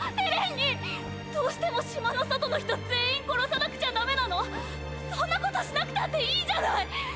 エレンに！！どうしても島の外の人全員殺さなくちゃダメなの⁉そんなことしなくたっていいじゃない！！